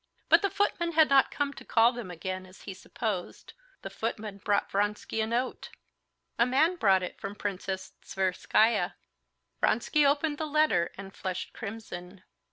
But the footman had not come to call them again, as he supposed. The footman brought Vronsky a note. "A man brought it from Princess Tverskaya." Vronsky opened the letter, and flushed crimson.